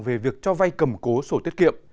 về việc cho vay cầm cố sổ tiết kiệm